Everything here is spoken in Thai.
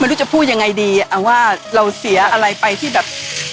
ไม่รู้จะพูดยังไงดีอ่ะว่าเราเสียอะไรไปที่แบบ